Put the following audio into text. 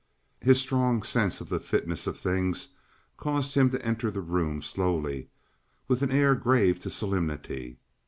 His strong sense of the fitness of things caused him to enter the room slowly, with an air grave to solemnity.